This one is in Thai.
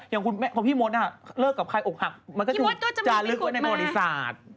อย่างตอนนี้อย่างพี่มดน่ะเลิกกับใครอกหักมันก็จะเลิกไว้ในบริษัท